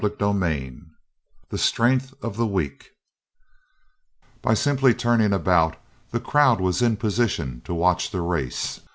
CHAPTER IV THE STRENGTH OF THE WEAK By simply turning about the crowd was in position to watch the race.